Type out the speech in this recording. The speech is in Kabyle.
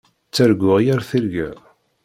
Ttarguɣ yir tirga.